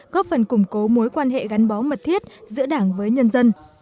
góp phần củng cố mối quan hệ gắn bó mật thiết giữa đảng với nhân dân